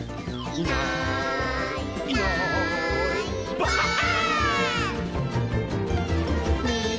「いないいないばあっ！」